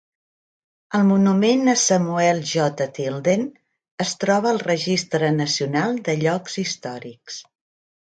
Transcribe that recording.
El monument a Samuel J. Tilden es troba al registre nacional de llocs històrics.